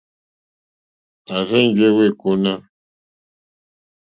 Ì rzênjé wêkóná.